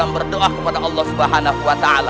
berdoa kepada allah subhanahu wa ta'ala